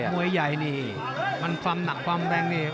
มวยใหญ่นี่มันความหนักความแรงนี่